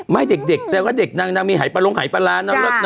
ไม่เด็กแต่ก็เด็กน่ะมีหายประลงหายประลา